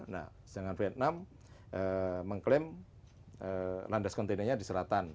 nah sejajaran vietnam mengklaim landas kontinenya di selatan